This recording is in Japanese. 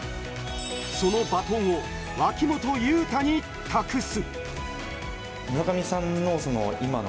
そのバトンを脇本雄太に託す。